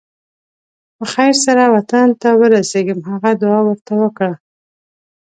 په خیر سره وطن ته ورسېږم هغه دعا ورته وکړله.